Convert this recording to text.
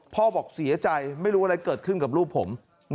บอกเสียใจไม่รู้อะไรเกิดขึ้นกับลูกผม